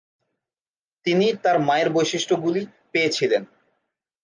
তিনি তার মায়ের বৈশিষ্ট্যগুলি পেয়েছিলেন।